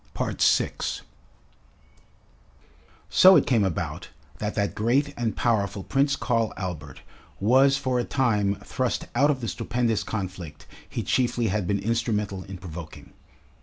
6 So it came about that that great and powerful Prince Karl Albert was for a time thrust out of the stupendous conflict he chiefly had been instrumental in provoking.